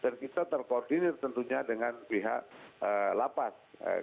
dan kita terkoordinir tentunya dengan pihak lapas